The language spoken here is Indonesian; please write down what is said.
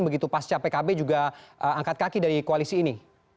lepas cap pkb juga angkat kaki dari koalisi ini